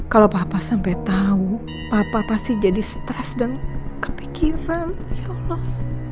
kalau papa sampai tahu papa pasti jadi stres dan kepikiran ya allah